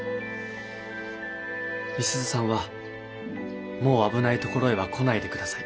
美鈴さんはもう危ない所へは来ないでください。